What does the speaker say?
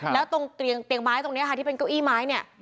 แล้วตรงเตียงไม้ตรงนี้ค่ะที่เป็นเก้าอี้ไม้เนี่ย